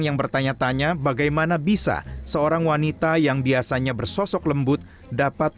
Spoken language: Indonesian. yang bertanya tanya bagaimana bisa seorang wanita yang biasanya bersosok lembut dapat